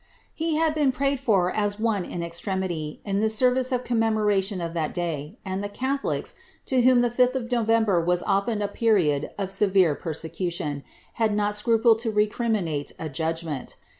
He had been prayed fur a« one in extremitv. in itie service of conimemordtioii of that day. and liie catholics, to w'hoiii ilif 5ih of KoTember was often a period of severe persecution, had notscu plcd 10 recriminate a judgment.